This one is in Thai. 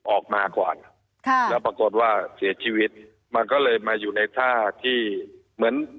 ออกมาก่อนค่ะแล้วปรากฏว่าเสียชีวิตมันก็เลยมาอยู่ในท่าที่เหมือน